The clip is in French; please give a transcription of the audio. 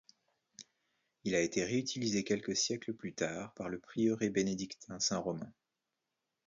Il a été réutilisé quelques siècles plus tard par le prieuré bénédictin Saint-Romain.